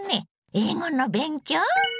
英語の勉強？